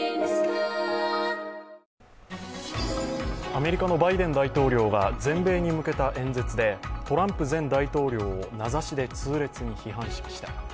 アメリカのバイデン大統領が全米に向けた演説でトランプ前大統領を名指しで痛烈に批判しました。